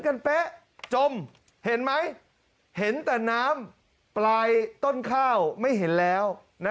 เป๊ะจมเห็นไหมเห็นแต่น้ำปลายต้นข้าวไม่เห็นแล้ว